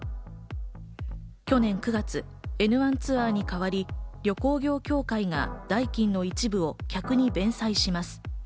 去年９月、エヌワンツワーに代わり旅行業協会が代金の一部を客に弁済します。